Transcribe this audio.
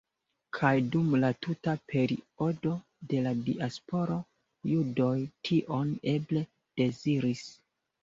Kaj dum la tuta periodo de la Diasporo judoj tion eble deziris.